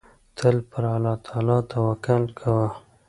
تل پر الله تعالی توکل کوه.